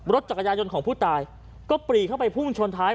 จักรยายนต์ของผู้ตายก็ปรีเข้าไปพุ่งชนท้าย